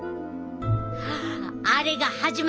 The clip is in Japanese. あれが始まるで！